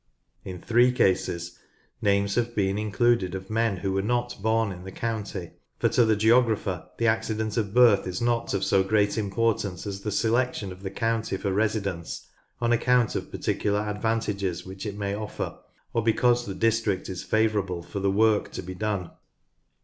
In three cases, names have been included of men who were not born in the county, 154 NORTH LANCASHIRE for to the geographer, the accident of birth is not of so great importance as the selection of the county for resi dence, on account of particular advantages which it may offer, or because the district is favourable for the work to be done.